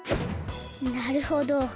なるほど。